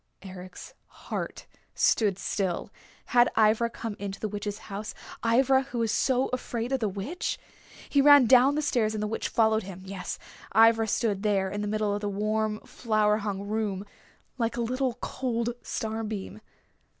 Eric's heart stood still. Had Ivra come into the Witch's house, Ivra who was so afraid of the Witch? He ran down the stairs and the Witch followed him. Yes, Ivra stood there in the middle of the warm, flower hung room, like a little cold star beam.